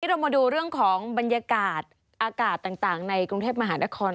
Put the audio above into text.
เรามาดูเรื่องของบรรยากาศอากาศต่างในกรุงเทพมหานคร